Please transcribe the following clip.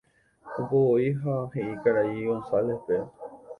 Opovoi ha he'i karai González-pe.